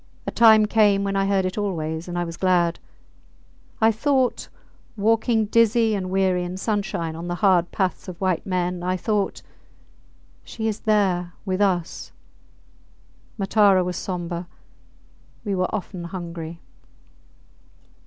A time came when I heard it always, and I was glad. I thought, walking dizzy and weary in sunshine on the hard paths of white men I thought, She is there with us! ... Matara was sombre. We were often hungry.